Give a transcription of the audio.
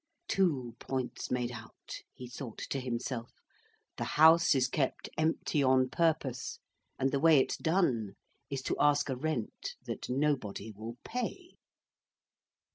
"Two points made out," he thought to himself: "the house is kept empty on purpose, and the way it's done is to ask a rent that nobody will pay."